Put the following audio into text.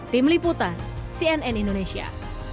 tim liputan cnn indonesia